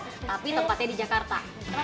tapi tempatnya di jakarta